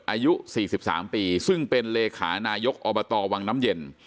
อายุ๔๓ปีซึ่งเป็นเลขานายกอบตวังน้ำเย็น